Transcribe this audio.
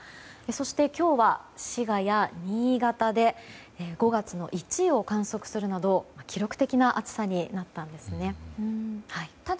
そして、今日は滋賀や新潟で５月の１位を観測するなど記録的な暑さになりました。